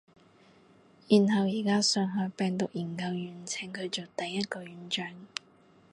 然後而家上海病毒研究院請佢做第一個院長